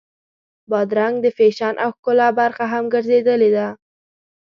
بادرنګ د فیشن او ښکلا برخه هم ګرځېدلې ده.